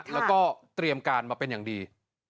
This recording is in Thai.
แล้วก็เตรียมการมาเป็นอย่างดี